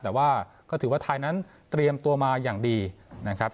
แต่ว่าก็ถือว่าไทยนั้นเตรียมตัวมาอย่างดีนะครับ